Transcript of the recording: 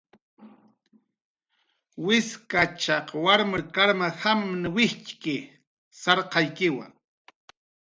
Wiskachaq warmkunmn wijtxki karmajamanmna, sarqaykiwa.